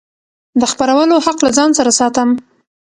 د خپرولو حق له ځان سره ساتم.